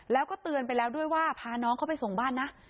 แล้วก็เตือนไปแล้วด้วยว่าพาน้องเขาไปส่งบ้านนะ